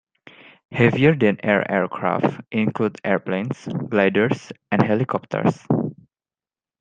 Heavier-than-air aircraft include airplanes, gliders and helicopters.